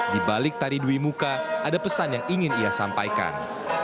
di balik tari dwi muka ada pesan yang ingin ia sampaikan